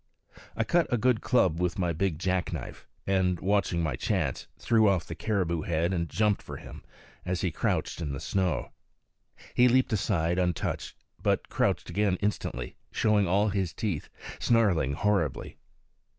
I cut a good club with my big jack knife, and, watching my chance, threw off the caribou head and jumped for him as he crouched in the snow. He leaped aside untouched, but crouched again instantly, showing all his teeth, snarling horribly.